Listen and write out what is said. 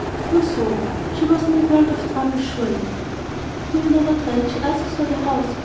Poor soul! she was in a world of trouble, surely." "Do you know what rent she asks for the house?"